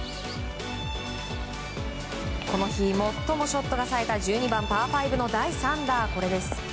この日最もショットがさえた１２番、パー５の第３打。